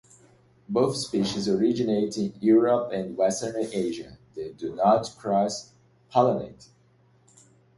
Both species originate in Europe and western Asia; they do not cross-pollinate.